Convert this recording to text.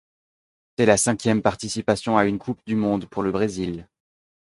C'est la cinquième participation à une Coupe du Monde pour le Brésil.